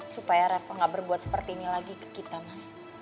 supaya revo gak berbuat seperti ini lagi ke kita mas